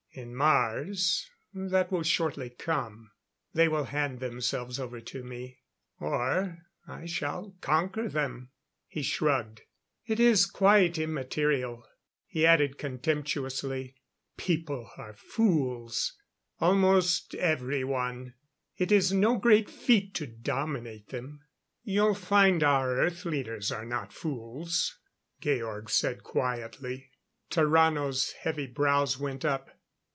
In Mars that will shortly come. They will hand themselves over to me or I shall conquer them." He shrugged. "It is quite immaterial." He added contemptuously: "People are fools almost everyone it is no great feat to dominate them." "You'll find our Earth leaders are not fools," Georg said quietly. Tarrano's heavy brows went up.